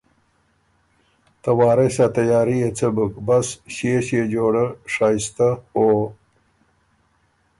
ته وارث ا تیاري يې څۀ بُک بس ݭيې ݭيې جوړۀ شائستۀ او